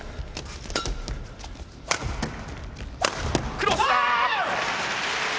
クロスだ。